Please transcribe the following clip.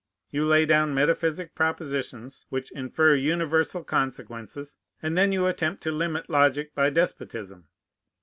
You lay down metaphysic propositions which infer universal consequences, and then you attempt to limit logic by despotism.